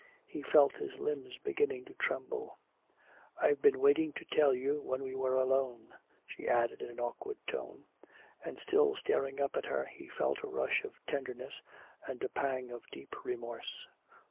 He felt his limbs beginning to tremble. "I've been waiting to tell you when we were alone," she added in an awkward tone. And still staring up at her he felt a rush of tenderness and a pang of deep remorse.